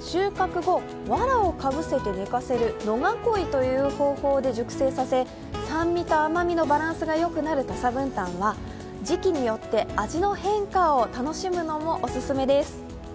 収穫後、わらをかぶせて寝かせる野囲いという方法で熟成せさ、酸味と甘みのバランスがよくなる土佐文旦は時期によって味の変化を楽しむのもお勧めです。